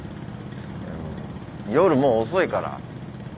夜もう遅いから。